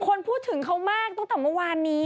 คนพูดถึงเขามากตั้งแต่เมื่อวานนี้